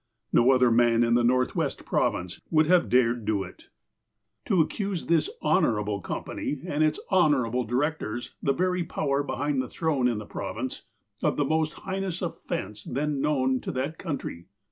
No other man in the Northwestern Province would have dared do it. FROM JUDGE DUNCAN'S DOCKET 213 To accuse this ''honourable" company, and its "honourable" directors, the very power behind the throne in the Province, of the most heinous offence then known to that country